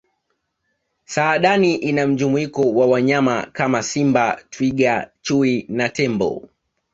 saadani ina mjumuiko wa wanyama Kama simba twiga chui na tembo